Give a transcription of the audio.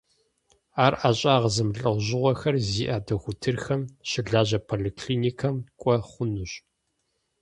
Ар ӀэщӀагъэ зэмылӀэужьыгъуэхэр зиӀэ дохутырхэр щылажьэ поликлиникэм кӀуэ хъунущ.